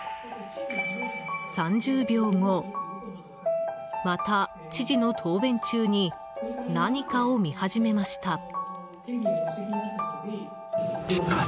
３０秒後、また知事の答弁中に何かを見始めました。